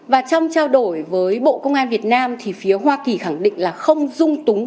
và trong trao đổi với bộ công an việt nam thì phía hoa kỳ khẳng định là không dung túng